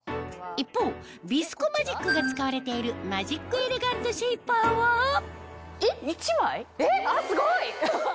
一方ビスコマジックが使われているマジックエレガントシェイパーはえっすごい！